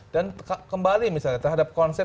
dan kembali misalnya terhadap konsep